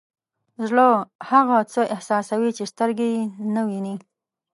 زړه هغه څه احساسوي چې سترګې یې نه ویني.